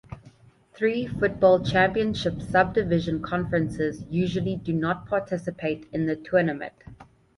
Three Football Championship Subdivision conferences usually do not participate in the tournament.